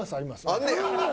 あんねや。